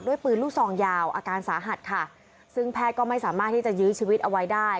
ปืนลูกซองยาวอาการสาหัสค่ะซึ่งแพทย์ก็ไม่สามารถที่จะยื้อชีวิตเอาไว้ได้